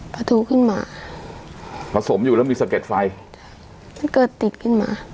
ประทูขึ้นมาผสมอยู่แล้วมีสะเก็ดไฟมันเกิดติดขึ้นมา